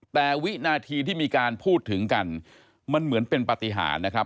แต่วินาทีที่มีการพูดถึงกันมันเหมือนเป็นปฏิหารนะครับ